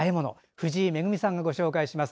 藤井恵さんがご紹介します。